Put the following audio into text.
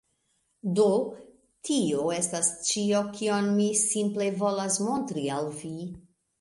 Do tio estas ĉio, kion mi simple volas montri al vi.